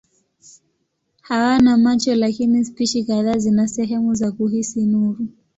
Hawana macho lakini spishi kadhaa zina sehemu za kuhisi nuru.